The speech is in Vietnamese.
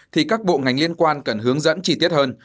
thì các bộ ngành liên quan cần hướng dẫn chi tiết hơn